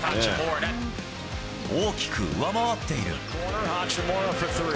大きく上回っている。